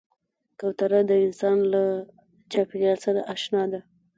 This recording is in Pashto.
کوتره د انسان له چاپېریال سره اشنا ده.